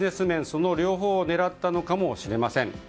その両方を狙ったのかもしれません。